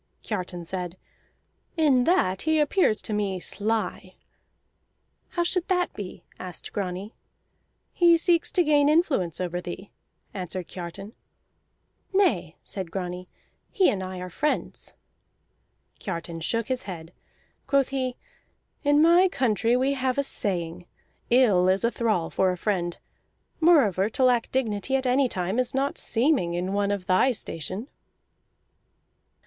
Kiartan said: "In that he appears to me sly." "How should that be?" asked Grani. "He seeks to gain influence over thee," answered Kiartan. "Nay," said Grani, "he and I are friends." Kiartan shook his head. Quoth he: "In my country we have a saying: 'Ill is a thrall for a friend.' Moreover, to lack dignity at any time is not seeming in one of thy station."